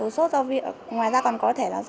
sốt do viêm ngoài ra còn có thể là do viêm